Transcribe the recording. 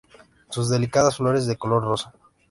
Sus delicadas flores de color rosa.